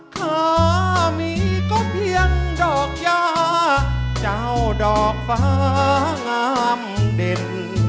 ขามีก็เพียงดอกยาเจ้าดอกฟ้างามเด่น